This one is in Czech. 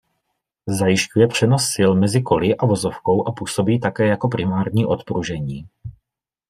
Zajišťuje přenos sil mezi koly a vozovkou a působí také jako primární odpružení.